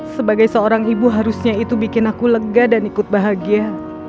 sebagai seorang ibu harusnya itu bikin aku lega dan ikut bahagia